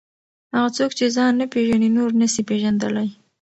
هغه څوک چې ځان نه پېژني نور نسي پېژندلی.